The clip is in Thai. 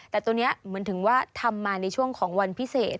แต่ตัวนี้เหมือนถึงว่าทำมาในช่วงของวันพิเศษ